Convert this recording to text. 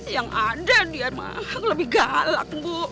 yang ada di rumah lebih galak bu